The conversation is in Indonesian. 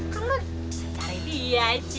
kan lu cari dia ci